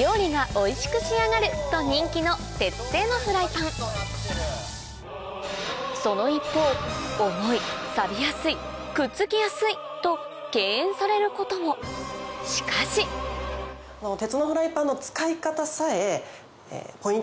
料理がおいしく仕上がる！と人気の鉄製のフライパンその一方重いさびやすいくっつきやすいと敬遠されることもしかしそんなに。